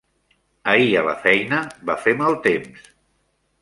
Ahir a la feina va fer mal temps.